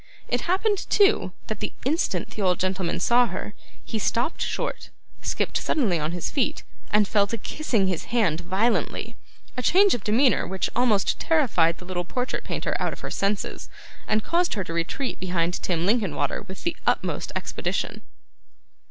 It happened, too, that the instant the old gentleman saw her, he stopped short, skipped suddenly on his feet, and fell to kissing his hand violently: a change of demeanour which almost terrified the little portrait painter out of her senses, and caused her to retreat behind Tim Linkinwater with the utmost expedition.